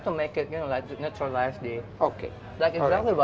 tapi tomatnya membuatnya seperti menetralisasi